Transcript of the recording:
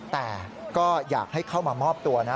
แต่ก็อยากให้เข้ามามอบตัวนะ